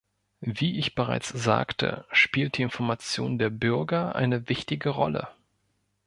Wie ich bereits sagte, spielt die Information der Bürger eine wichtige Rolle.